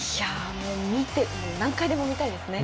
何回でも見たいですね。